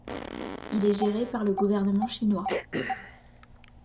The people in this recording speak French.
Il est géré par le gouvernement chinois.